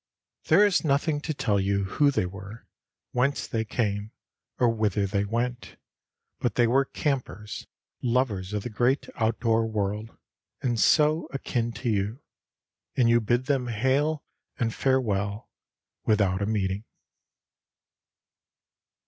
There is nothing to tell you who they were, whence they came, or whither they went; but they were campers, lovers of the great outdoor world, and so akin to you, and you bid them hail and farewell without a meeting.